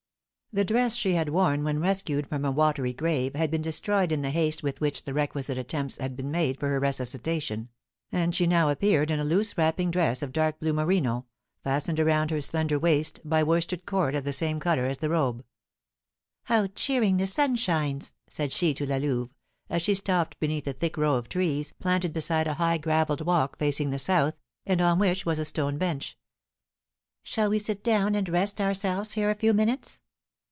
The dress she had worn when rescued from a watery grave had been destroyed in the haste with which the requisite attempts had been made for her resuscitation, and she now appeared in a loose wrapping dress of dark blue merino, fastened around her slender waist by worsted cord of the same colour as the robe. "How cheering the sun shines!" said she to La Louve, as she stopped beneath a thick row of trees, planted beside a high gravelled walk facing the south, and on which was a stone bench. "Shall we sit down and rest ourselves here a few minutes?"